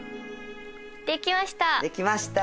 できました！